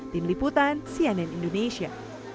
tim liputan cnn indonesia